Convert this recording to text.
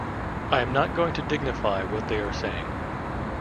I am not going to dignify what they are saying.